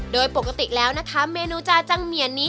โดยปกติแล้วนะคะเมนูจาจังเหมียนนี้